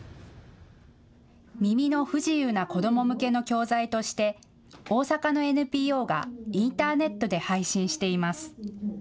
耳の不自由な子ども向けの教材として大阪のＮＰＯがインターネットで配信しています。